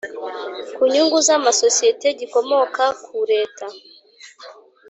ku nyungu z amasosiyete gikomoka ku leta